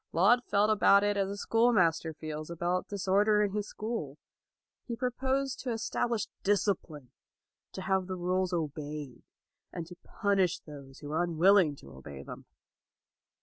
Laud felt about it as a schoolmaster feels about disorder in his school. He pro posed to establish discipline, to have the rules obeyed, and to punish those who were unwilling to obey them.